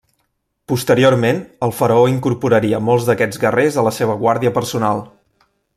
Posteriorment, el faraó incorporaria molts d'aquests guerrers a la seva guàrdia personal.